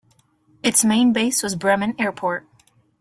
Its main base was Bremen Airport.